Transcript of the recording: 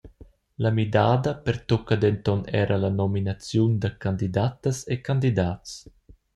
La midada pertucca denton era la nominaziun da candidatas e candidats.